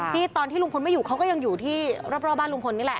ที่ตอนที่ลุงพลไม่อยู่เขาก็ยังอยู่ที่รอบบ้านลุงพลนี่แหละ